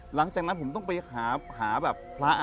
หลังจากนั้นผมต้องไปหาแบบพระ